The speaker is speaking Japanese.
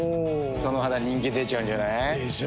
その肌人気出ちゃうんじゃない？でしょう。